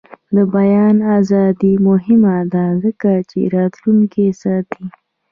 د بیان ازادي مهمه ده ځکه چې راتلونکی ساتي.